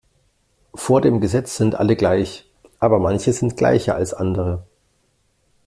Vor dem Gesetz sind alle gleich, aber manche sind gleicher als andere.